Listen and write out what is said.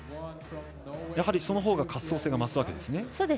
やはり、そのほうが滑走性が増すわけですね。